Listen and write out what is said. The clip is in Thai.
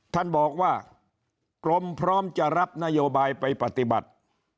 ท่านบอกว่ากรมพร้อมจะรับนโยบายไปปฏิบัติ